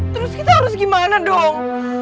terus kita harus gimana dong